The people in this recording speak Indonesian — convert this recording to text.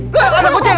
ada koceng ada koceng